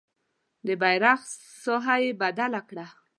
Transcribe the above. د بیرغ ساحه یې بدله کړه.